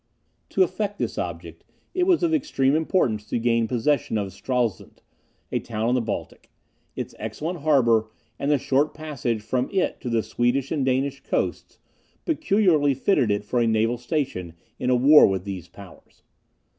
To effect this object, it was of extreme importance to gain possession of Stralsund, a town on the Baltic. Its excellent harbour, and the short passage from it to the Swedish and Danish coasts, peculiarly fitted it for a naval station in a war with these powers.